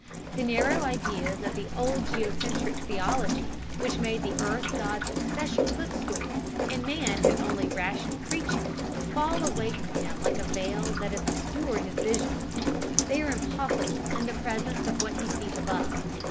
The narrow ideas of the old geocentric theology, which made the earth God's especial footstool, and man his only rational creature, fall away from him like a veil that had obscured his vision; they are impossible in the presence of what he sees above.